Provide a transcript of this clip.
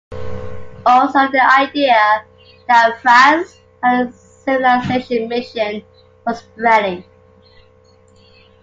Also, the idea that France had a civilizing mission was spreading.